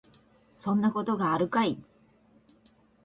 そんなことあるかい